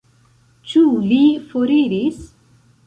Ĉu li foriris?